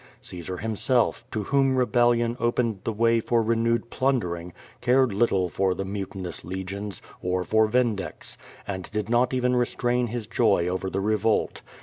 Caesar himself, to whom rebellion opened the way for renewed plundering, carciJ little for the mutinous legions, or for Vindex, and did not even restrain his joy over the revolt.